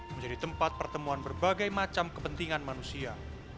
menjadi tempat pertemuan berbagai macam kepentingan manusia